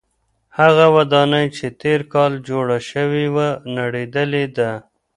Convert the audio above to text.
هغه ودانۍ چې تېر کال جوړه شوې وه نړېدلې ده.